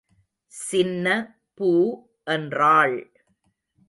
சின்ன பூ என்றாள்.